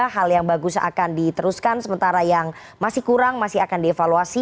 hal yang bagus akan diteruskan sementara yang masih kurang masih akan dievaluasi